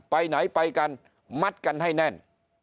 ไปไหนไปกันมัดกันให้แน่น